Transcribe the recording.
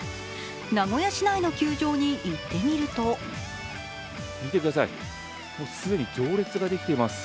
名古屋市内の球場に行ってみると見てください、既に行列ができています。